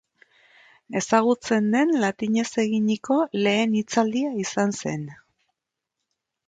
Ezagutzen den latinez eginiko lehen hitzaldia izan zen.